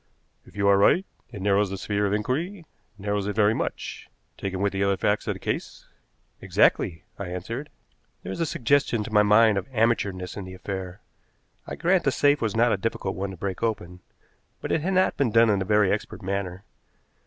"If you are right, it narrows the sphere of inquiry narrows it very much, taken with the other facts of the case." "Exactly," I answered. "There is a suggestion to my mind of amateurishness in the affair. I grant the safe was not a difficult one to break open, but it had not been done in a very expert manner.